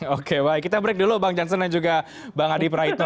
oke baik kita break dulu bang jansen dan juga bang adi praitno